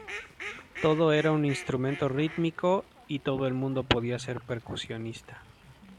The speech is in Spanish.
Todo era un instrumento rítmico y todo el mundo podía ser percusionista.